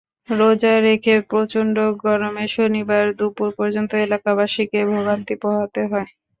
রোজা রেখে প্রচণ্ড গরমে শনিবার দুপুর পর্যন্ত এলাকাবাসীকে ভোগান্তি পোহাতে হয়।